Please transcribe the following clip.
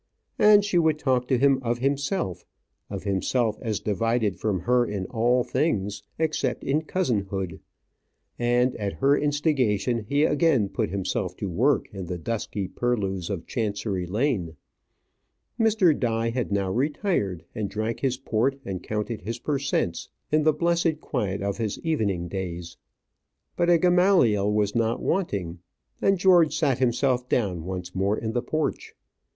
And she would talk to him of himself; of himself as divided from her in all things, except in cousinhood. And, at her instigation, he again put himself to work in the dusky purlieus of Chancery Lane. Mr. Die had now retired, and drank his port and counted his per cents. in the blessed quiet of his evening days; but a Gamaliel was not wanting, and George sat himself down once more in the porch.